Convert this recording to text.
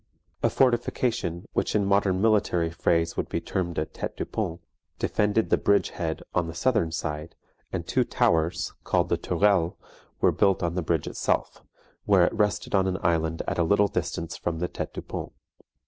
A fortification which in modern military phrase would be termed a tete du pont, defended the bridge head on the southern side, and two towers, called the Tourelles, were built on the bridge itself, where it rested on an island at a little distance from the tete du pont.